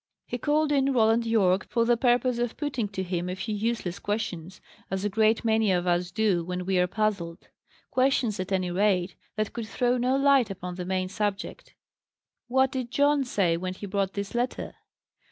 He called in Roland Yorke, for the purpose of putting to him a few useless questions as a great many of us do when we are puzzled questions, at any rate, that could throw no light upon the main subject. "What did John say when he brought this letter?"